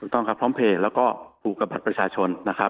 ต้องครับพร้อมเพลย์แล้วก็ผูกกับบัตรประชาชนนะครับ